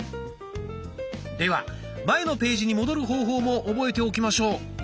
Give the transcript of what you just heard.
では前のページに戻る方法も覚えておきましょう。